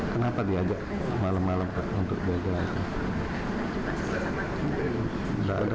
kenapa diajak malam malam untuk belajar